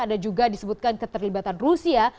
ada juga disebutkan keterlibatan rusia